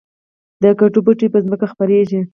د کدو بوټی په ځمکه خپریږي